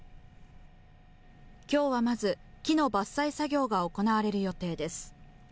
きょうはまず、木の伐採作業が行われる予定です。